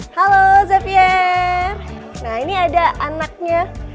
halo zefier nah ini ada anaknya